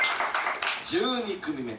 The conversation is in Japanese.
１２組目。